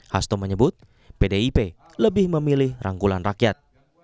hasto menyebut pdip lebih memilih rangkulan rakyat